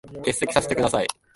欠席させて下さい。